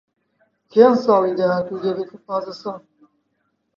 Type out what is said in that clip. کێن ساڵی داهاتوو دەبێتە پازدە ساڵ.